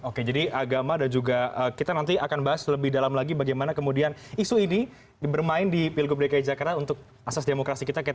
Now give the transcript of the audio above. oke jadi agama dan juga kita nanti akan bahas lebih dalam lagi bagaimana kemudian isu ini bermain di pilgub dki jakarta untuk asas demokrasi kita